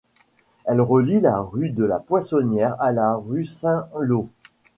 Elle relie la rue de la Poissonnerie à la rue Saint-Laud.